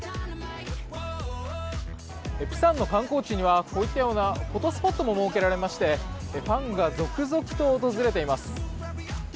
釜山の観光地にはこういったようなフォトスポットも設けられましてファンが続々と訪れています。